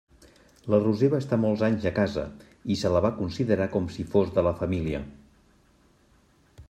La Roser va estar molts anys a casa, i se la va considerar com si fos de la família.